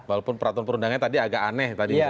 walaupun peraturan perundangannya tadi agak aneh tadi